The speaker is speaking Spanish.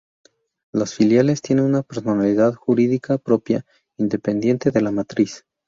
Las filiales tienen personalidad jurídica propia, independiente de la matriz.